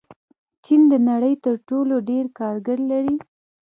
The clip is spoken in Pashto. چین د نړۍ تر ټولو ډېر کارګر لري.